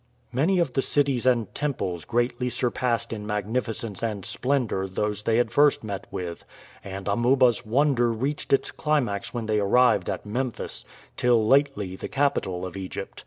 Many of the cities and temples greatly surpassed in magnificence and splendor those they had first met with, and Amuba's wonder reached its climax when they arrived at Memphis, till lately the capital of Egypt.